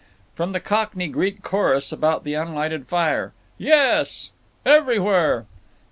From the Cockney Greek chorus about the unlighted fire: "Yes!" "Everywhere."